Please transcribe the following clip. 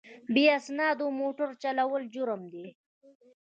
بې اسنادو موټر چلول جرم دی.